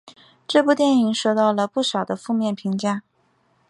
这部电影收到了不少的负面评价。